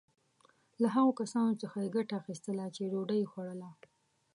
له هغو کسانو څخه یې ګټه اخیستله چې ډوډی یې خوړله.